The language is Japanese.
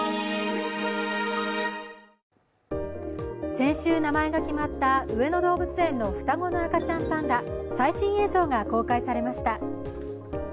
先週名前が決まった上野動物園の双子の赤ちゃんパンダ、最新映像が公開されました。